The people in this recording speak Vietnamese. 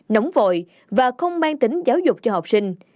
nóng vội và không mang tính giáo dục cho học sinh